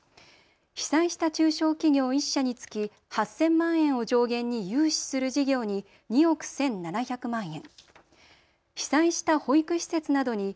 被災した中小企業１社につき８０００万円を上限に融資する事業に２億１７００万円。